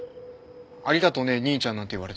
「ありがとね兄ちゃん」なんて言われて。